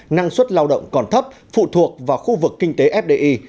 năng suất lao động còn thấp phụ thuộc vào khu vực kinh tế fdi